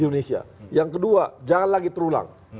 indonesia yang kedua jangan lagi terulang